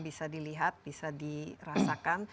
bisa dilihat bisa dirasakan